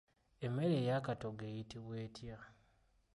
Emmere ey'akatogo eyitibwa etya?